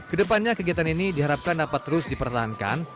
kedepannya kegiatan ini diharapkan dapat terus dipertahankan